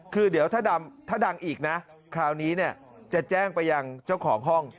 คือเดี๋ยวถ้าดังอีกนะคราวนี้จะแจ้งไปยังเจ้าของห้อง